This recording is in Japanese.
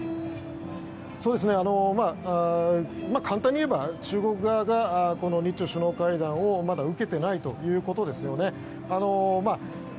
まあ、簡単に言えば中国側が、日中首脳会談をまだ受けていないということですよね。